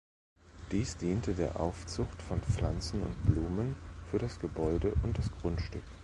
Dieses diente der Aufzucht von Pflanzen und Blumen für das Gebäude und das Grundstück.